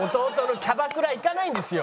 キャバクラ行かないんです。